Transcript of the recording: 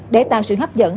để tạo sự hấp dẫn